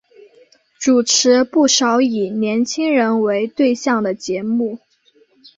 主持不少以年青人为对象的节目。